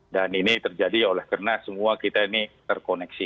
dan ini terjadi oleh karena semua kita ini terkoneksi